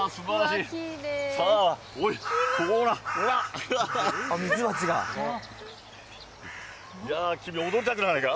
いやー、君、踊りたくないか？